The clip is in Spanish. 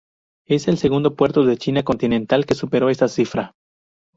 Es el segundo puerto de China continental que superó esta cifra.